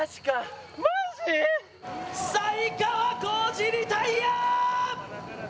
才川コージ、リタイア。